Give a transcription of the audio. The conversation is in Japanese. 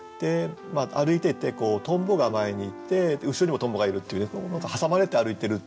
歩いててとんぼが前にいて後ろにもとんぼがいるっていう挟まれて歩いてるっていうね